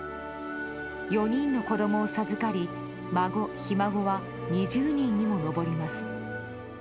４人の子供を授かり孫、ひ孫は２０人にも上ります。